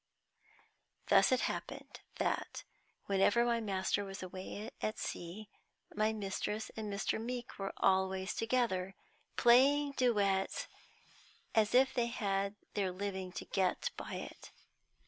Thus it happened that, whenever my master was away at sea, my mistress and Mr. Meeke were always together, playing duets as if they had their living to get by it.